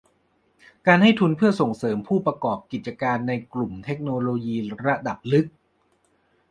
การให้ทุนเพื่อส่งเสริมผู้ประกอบกิจการในกลุ่มเทคโนโลยีระดับลึก